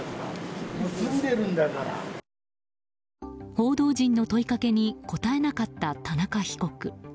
報道陣の問いかけに答えなかった田中被告。